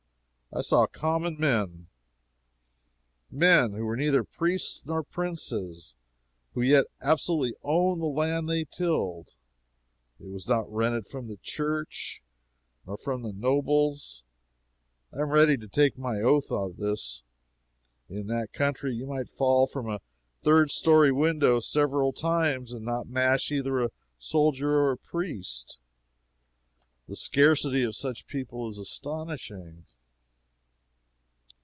"I saw common men, there men who were neither priests nor princes who yet absolutely owned the land they tilled. It was not rented from the church, nor from the nobles. I am ready to take my oath of this. In that country you might fall from a third story window three several times, and not mash either a soldier or a priest. The scarcity of such people is astonishing.